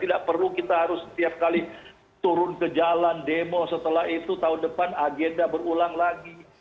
tidak perlu kita harus setiap kali turun ke jalan demo setelah itu tahun depan agenda berulang lagi